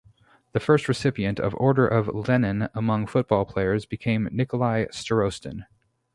The first recipient of Order of Lenin among football players became Nikolai Starostin.